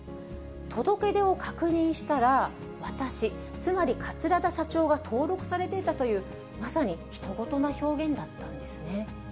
届け出を確認したら、私、つまり桂田社長が登録されていたという、まさにひと事な表現だったんですね。